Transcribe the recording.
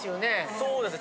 そうですね